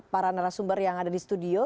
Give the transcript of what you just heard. para narasumber yang ada di studio